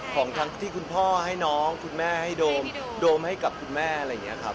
ของทั้งที่คุณพ่อให้น้องคุณแม่ให้โดมให้กับคุณแม่อะไรอย่างนี้ครับ